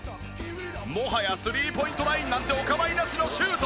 もはやスリーポイントラインなんてお構いなしのシュート。